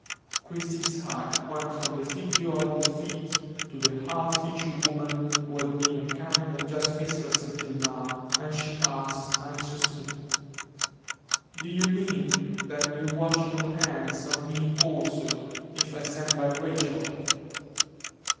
Christie's eye went from the figure at her feet to the hard featured woman who had been a kind and just mistress until now, and she asked, anxiously: "Do you mean that you wash your hands of me also, if I stand by Rachel?"